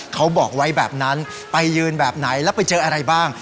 เขาบอกไว้แบบนั้นไปยืนแบบไหนแล้วไปเจออะไรบ้าง